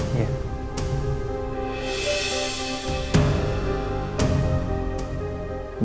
dulu sebelum disini